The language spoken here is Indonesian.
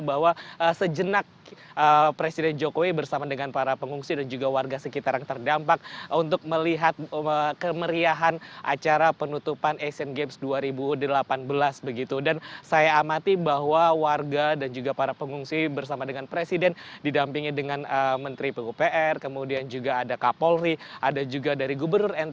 bahwa sejenak presiden jokowi bersama dengan para korban ini ini merupakan bagian dari trauma healing yang diberikan oleh presiden jokowi dodo